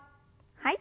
はい。